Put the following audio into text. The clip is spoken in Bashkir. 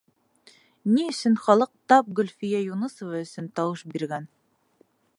Ни өсөн халыҡ тап Гөлфиә Юнысова өсөн тауыш биргән?